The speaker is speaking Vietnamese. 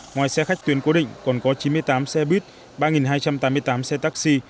ngoài xe khách tuyến cố định còn có chín mươi tám xe buýt ba hai trăm tám mươi tám xe taxi